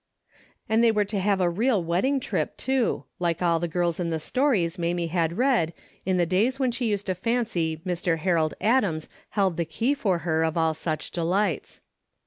And they were to take a real wedding trip, too, like all the girls in the stories Mamie had read, in the days when she used to fancy Mr. Harold Adams held the key for her of all such delights.